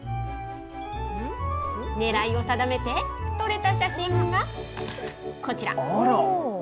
ねらいを定めて、撮れた写真がこちら。